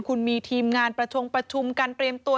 คุณมีทีมงานประชงประชุมการเตรียมตัว